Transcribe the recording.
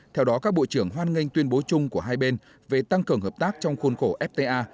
theo đó các bộ trưởng hoan nghênh tuyên bố chung của hai bên về tăng cường hợp tác trong khuôn khổ fta